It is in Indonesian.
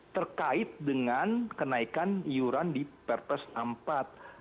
terkait dengan kenaikan iuran di perpres empat